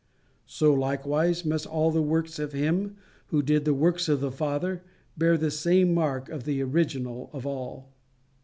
So likewise must all the works of him who did the works of the Father bear the same mark of the original of all.